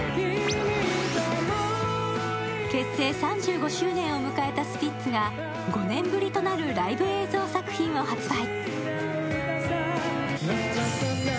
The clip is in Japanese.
結成３５周年を迎えたスピッツが５年ぶりとなるライブ映像作品を発売。